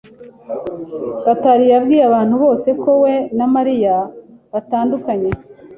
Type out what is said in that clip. Gatari yabwiye abantu bose ko we na Mariya batandukanye.